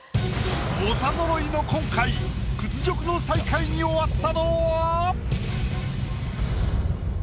猛者ぞろいの今回屈辱の最下位に終わったのは？